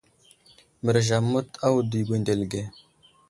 Mərez amət a wudo i gwendele age.